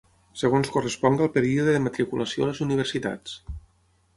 Segons correspongui al període de matriculació a les universitats.